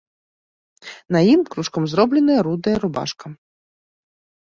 На ім кручком зробленая рудая рубашка.